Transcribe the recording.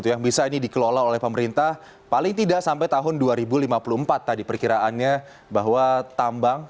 yang bisa ini dikelola oleh pemerintah paling tidak sampai tahun dua ribu lima puluh empat tadi perkiraannya bahwa tambang